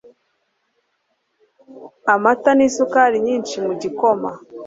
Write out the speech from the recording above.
amata nisukari nyinshi mu gikoma